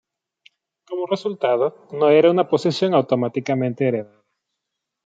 Como resultado, no era una posición automáticamente heredada.